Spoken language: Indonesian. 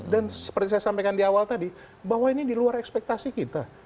dan seperti saya sampaikan di awal tadi bahwa ini di luar ekspektasi kita